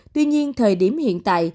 tuy nhiên thời điểm hiện tại